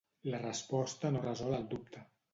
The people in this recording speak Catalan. La resposta no resol el dubte.